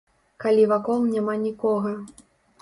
Калі вакол няма нікога.